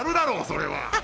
それは。